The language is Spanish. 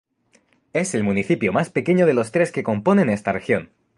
Es el municipio más pequeño de los tres que componen esta región.